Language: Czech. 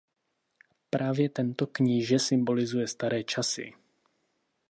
Právě tento kníže symbolizuje staré časy.